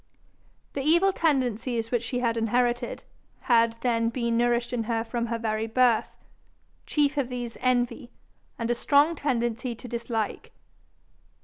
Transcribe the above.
The evil tendencies which she had inherited, had then been nourished in her from her very birth chief of these envy, and a strong tendency to dislike.